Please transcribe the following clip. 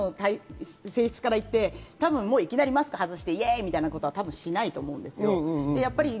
日本人の性質から言って、いきなりマスクを外して、イエイみたいなことはしないと思うんですよ。